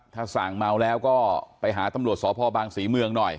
ถ้าสั่งเมาแล้วก็ไปหาตำรวจสพบางศรีเมืองหน่อย